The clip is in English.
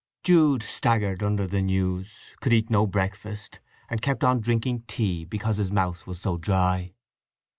Jude staggered under the news; could eat no breakfast; and kept on drinking tea because his mouth was so dry.